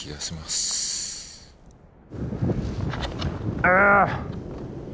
ああ！